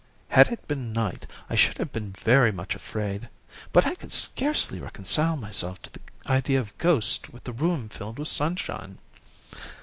Had it been night I should have been very much afraid, but I could scarcely reconcile myself to the idea of ghosts with the room filled with sunshine.